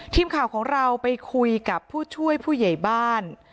ทีมข่าวของเราไปคุยกับผู้ช่วยผู้ใหญ่บ้าน